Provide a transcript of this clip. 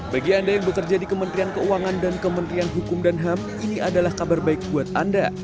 bagi anda yang bekerja di kementerian keuangan dan kementerian hukum dan ham ini adalah kabar baik buat anda